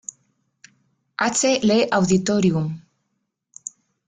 H. Lee Auditorium.